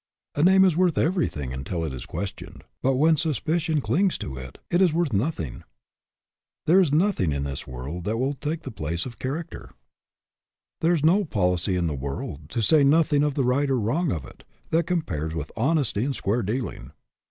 A name is worth everything until it is ques tioned; but when suspicion clings to it, it is worth nothing. There is nothing in this STAND FOR SOMETHING 139 world that will take the place of character. There is no policy in the world, to say nothing of the right or wrong of it, that compares with honesty and square dealing.